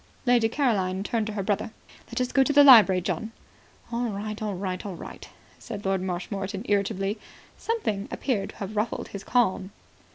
Lady Caroline turned to her brother. "Let us go to the library, John." "All right. All right. All right," said Lord Marshmoreton irritably. Something appeared to have ruffled his calm.